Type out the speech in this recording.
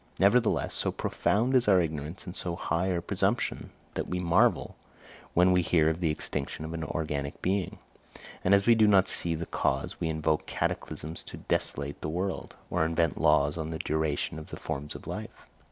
Nevertheless, so profound is our ignorance, and so high our presumption, that we marvel when we hear of the extinction of an organic being; and as we do not see the cause, we invoke cataclysms to desolate the world, or invent laws on the duration of the forms of life!